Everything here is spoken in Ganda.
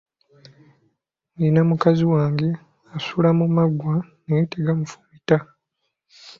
Nina mukazi wange asula mu maggwa naye tegamufumita.